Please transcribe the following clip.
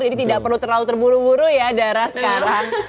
jadi tidak perlu terlalu terburu buru ya dara sekarang